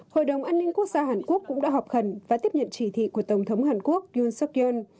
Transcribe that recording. hội đồng an ninh quốc gia hàn quốc cũng đã họp khẩn và tiếp nhận chỉ thị của tổng thống hàn quốc yun suk yoon